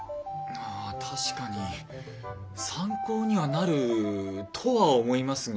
ああ確かに参考にはなるとは思いますが。